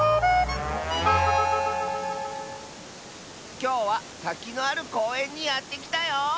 きょうはたきのあるこうえんにやってきたよ！